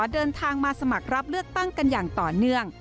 เดินทางมาสมัครรับเลือกตั้งกันอย่างต่อเนื่อง